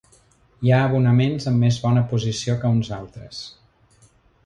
Hi ha abonaments amb més bona posició que uns altres.